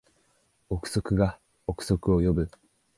憶測が憶測を呼ぶ